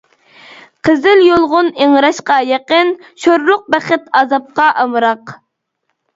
قىزىل يۇلغۇن ئىڭراشقا يېقىن، شورلۇق بەخت ئازابقا ئامراق.